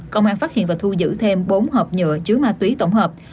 công an phát hiện và thu giữ thêm bốn hộp nhựa chứa ma túy tổng hợp